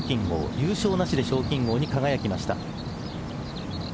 優勝なしで賞金王に輝きました。